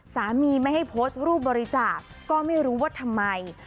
สามีไม่ให้โพสต์รูปบริจาคก็ไม่รู้ว่าทำไม